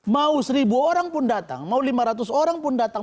mau seribu orang pun datang mau lima ratus orang pun datang